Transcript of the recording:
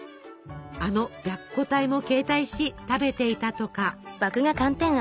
あの「白虎隊」も携帯し食べていたとか。